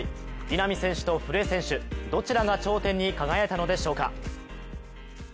稲見選手と古江選手、どちらが頂点に輝いたのでしょうか。